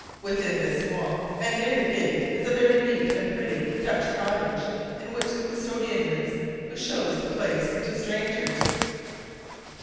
Within this wall, and near the gate, is a very neat and pretty Dutch cottage, in which the custodian lives who shows the place to strangers.